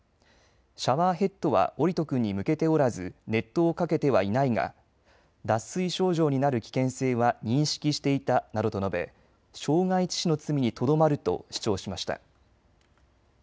シャワーヘッドは桜利斗君に向けておらず、熱湯をかけてはいないが脱水症状になる危険性は認識していたなどと述べ傷害致死の罪にとどまると主張しました。